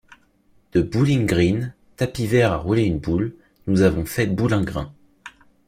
De bowling-green, tapis vert à rouler une boule, nous avons fait boulingrin.